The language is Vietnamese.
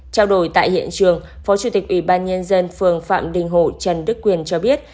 trao đổi tại hiện trường phó chủ tịch ủy ban nhân dân phường phạm đình hộ trần đức quyền cho biết